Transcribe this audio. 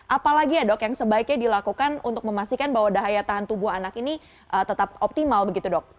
apalagi ya dok yang sebaiknya dilakukan untuk memastikan bahwa daya tahan tubuh anak ini tetap optimal begitu dok